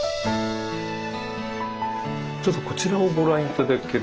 ちょっとこちらをご覧頂けるでしょうか。